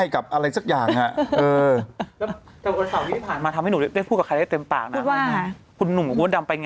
เขาจะไปไหมเขาจะไป